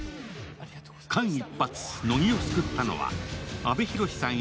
間一髪、乃木を救ったのは阿部寛さん